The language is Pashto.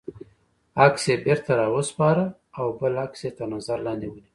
عکس یې بېرته را و سپاره او بل عکس یې تر نظر لاندې ونیوه.